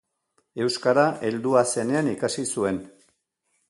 Euskara heldua zenean ikasi zuen.